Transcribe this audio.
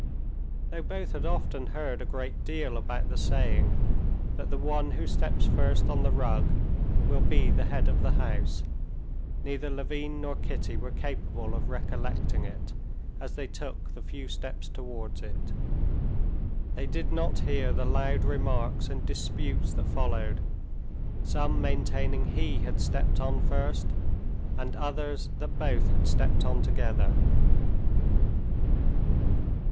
Though both had often heard a great deal about the saying that the one who steps first on the rug will be the head of the house, neither Levin nor Kitty were capable of recollecting it, as they took the few steps towards it. They did not hear the loud remarks and disputes that followed, some maintaining he had stepped on first, and others that both had stepped on together.